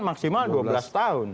maksimal dua belas tahun